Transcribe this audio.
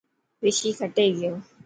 رشي کٽي گيو.